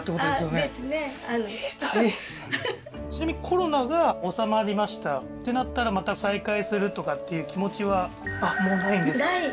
ですね大変ちなみにコロナが収まりましたってなったらまた再開するとかっていう気持ちはあっもう無いんですか？